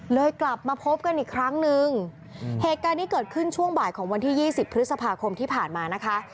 กลับมาพบกันอีกครั้งนึงเหตุการณ์นี้เกิดขึ้นช่วงบ่ายของวันที่ยี่สิบพฤษภาคมที่ผ่านมานะคะ